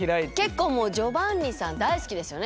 結構もうジョバンニさん大好きですよね